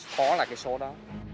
khó là cái số đó